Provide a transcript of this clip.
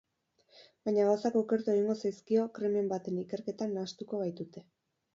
Baina gauzak okertu egingo zaizkio krimen baten ikerketan nahastuko baitute.